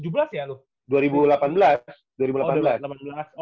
dua ribu berapa sih dua ribu tujuh belas ya lu